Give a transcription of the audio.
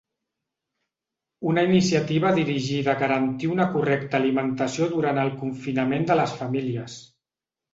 Una iniciativa dirigida a garantir una correcta alimentació durant el confinament de les famílies.